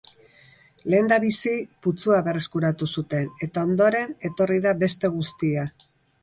Lehendabizi, putzua berreskuratu zuten, eta ondoren etorri da beste guztia.